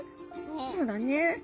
「そうだね。